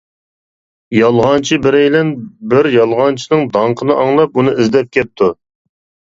يالغانچى بىرەيلەن بىر يالغانچىنىڭ داڭقىنى ئاڭلاپ ئۇنى ئىزدەپ كەپتۇ.